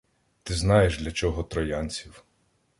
Ти знаєш, для чого троянців